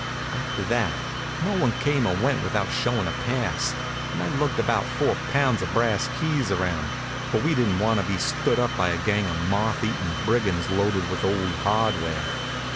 After that no one came or went without showing a pass, and I lugged about four pounds of brass keys around, for we didn't want to be stood up by a gang of moth eaten brigands loaded with old hardware.